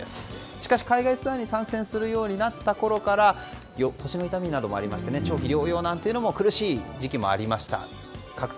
しかし海外ツアーに参戦するようになってから腰の痛みなどもありまして長期療養など苦しい時期もありました。